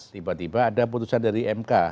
tiba tiba ada putusan dari mk